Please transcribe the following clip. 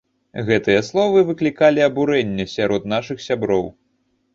Гэтыя словы выклікалі абурэнне сярод нашых сяброў.